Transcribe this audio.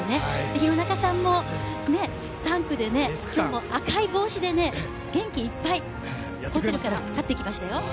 廣中さんも３区で今日も赤い帽子で元気いっぱい、ホテルから去っていきましたよ。